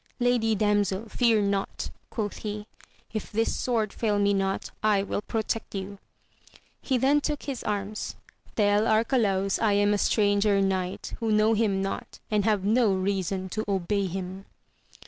Lady damsel, fear not ! quoth he, if this sword fail me not, I will protect you. He then took his arms — ^Tell Arcalaus I am a stranger knight, who know him not, and have no reason to obey him.